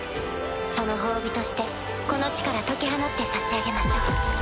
その褒美としてこの地から解き放って差し上げましょう。